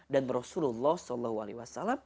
dan rasulullah saw